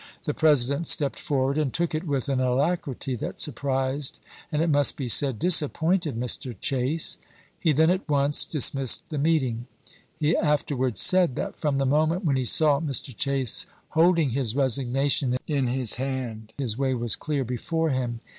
The President stepped forward and took it with an alacrity that surprised and, it must be said, disappointed Mr. Chase. He then at once dis missed the meeting. He afterwards said, that from the moment when he saw Mr. Chase holding his resignation in his hand, his way was clear before him.